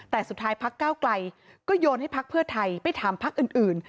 แต่สุดท้ายพักก้าวไกลก็โยนให้พักเพื่อไทยไปถามพักอื่น